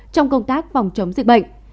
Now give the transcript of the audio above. trong công tác phòng chống dịch bệnh